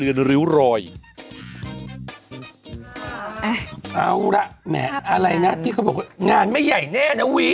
เอาละแหมอะไรนะที่เขาบอกว่างานไม่ใหญ่แน่นะวี